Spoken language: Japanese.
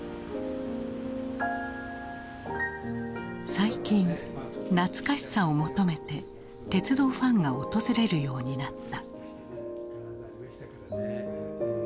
最近懐かしさを求めて鉄道ファンが訪れるようになった。